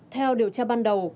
theo điều tra ban đầu